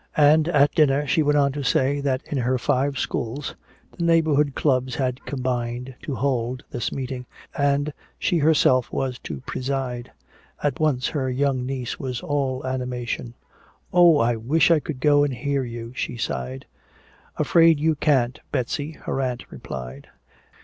And at dinner she went on to say that in her five schools the neighborhood clubs had combined to hold this meeting, and she herself was to preside. At once her young niece was all animation. "Oh, I wish I could go and hear you!" she sighed. "Afraid you can't, Betsy," her aunt replied.